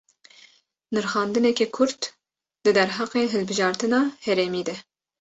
Nirxandineke kurt, di derheqê hilbijartina herêmî de